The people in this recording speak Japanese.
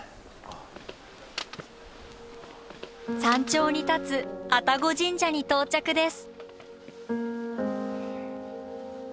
山頂に建つ愛宕神社に到着です。